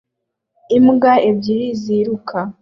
Imbwa ebyiri ziriruka